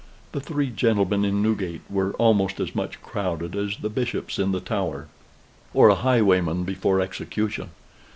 The three gentlemen in Newgate were almost as much crowded as the bishops in the Tower, or a highwayman before execution.